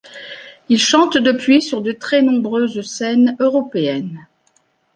Il chante depuis sur de très nombreuses scènes européennes.